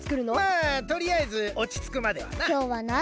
あとりあえずおちつくまではな。